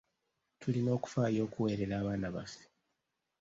Tulina okufaayo okuweerera abaana baffe.